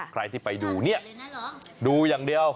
ใครที่ไปดูเนี่ยดูอย่างเดียว